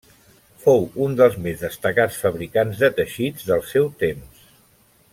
Fou un dels més destacats fabricants de teixits del seu temps.